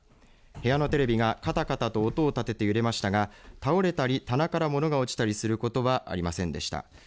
部屋のテレビがカタカタと音を立てて揺れましたが倒れたり棚から物が落ちたりすることはありませんでした。